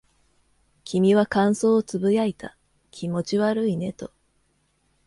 君は感想を呟いた。気持ち悪いねと。